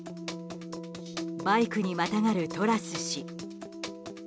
バイクにまたがるトラス氏。